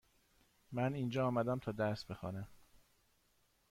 من اینجا آمدم تا درس بخوانم.